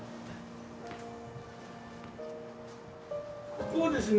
ここですね